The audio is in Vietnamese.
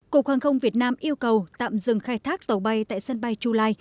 cục hàng không việt nam yêu cầu tạm dừng khai thác tàu bay tại sân bay chu lai